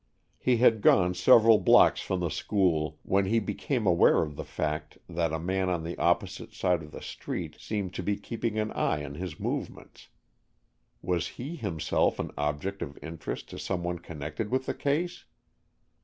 He had gone several blocks from the school when he became aware of the fact that a man on the opposite side of the street seemed to be keeping an eye on his movements. Was he himself an object of interest to someone connected with the case?